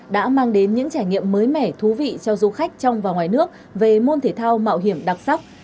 đã mang đến những trải nghiệm mới mẻ thú vị cho du khách trong và ngoài nước về môn thể thao mạo hiểm đặc sắc